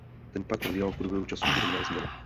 Ten pak prodělal v průběhu času drobné změny.